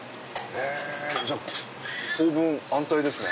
じゃあ当分安泰ですね。